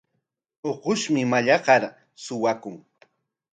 Ukushmi mallaqnar suwakun.